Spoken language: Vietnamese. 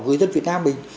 người dân việt nam mình